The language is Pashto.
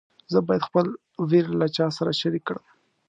زه باید خپل ویر له چا سره شریک کړم.